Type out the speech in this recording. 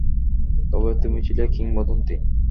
তবে তুমি ছিলে কিংবদন্তি।